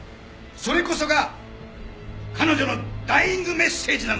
それこそが彼女のダイイングメッセージなのです。